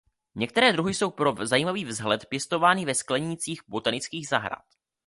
Některé druhy jsou pro zajímavý vzhled pěstovány ve sklenících botanických zahrad.